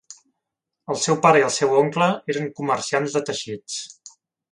El seu pare i el seu oncle eren comerciants de teixits.